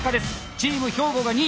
チーム兵庫が２位。